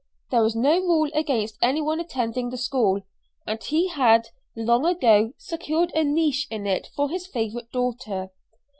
There was no rule against any one attending the school, and he had long ago secured a niche in it for his favorite daughter.